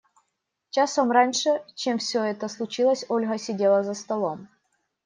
Часом раньше, чем все это случилось, Ольга сидела за столом.